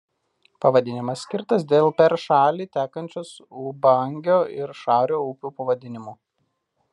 Pavadinimas skirtas dėl per šalį tekančių Ubangio ir Šario upių pavadinimų.